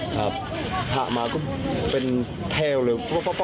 ครับหักมาก็เป็นแทวล์เลย